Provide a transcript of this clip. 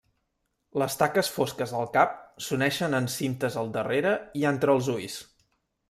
Les taques fosques al cap s'uneixen en cintes al darrere i entre els ulls.